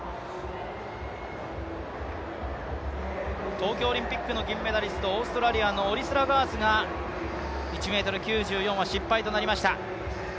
東京オリンピックの銀メダリスト、オーストラリアのオリスラガースが１ｍ９４は失敗となりました。